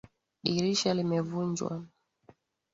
Dirisha limevunjwa